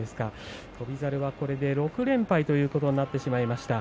翔猿は、これで６連敗ということになってしまいました。